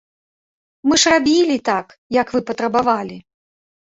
Мы ж рабілі так, як вы патрабавалі!